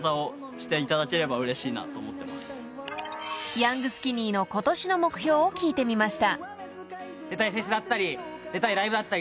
［ヤングスキニーのことしの目標を聞いてみました］